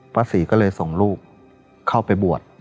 ศรีก็เลยส่งลูกเข้าไปบวช